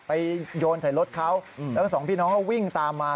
โยนใส่รถเขาทั้งสองพี่น้องเขาวิ่งตามมา